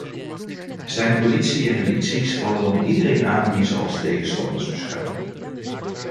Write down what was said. Zijn politie en milities vallen dan iedereen aan die ze als tegenstanders beschouwen.